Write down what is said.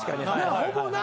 ほぼな？